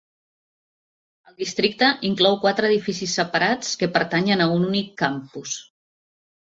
El districte inclou quatre edificis separats que pertanyen a un únic campus.